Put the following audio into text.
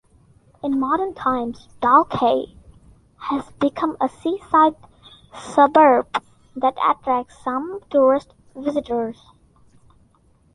In modern times, Dalkey has become a seaside suburb that attracts some tourist visitors.